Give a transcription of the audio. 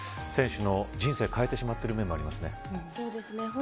選手の人生を変えてしまっているものもありますね。